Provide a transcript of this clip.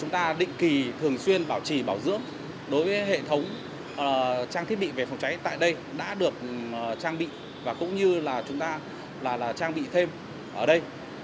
trang thiết bị về phòng cháy tại đây đã được trang bị và cũng như là chúng ta trang bị thêm ở đây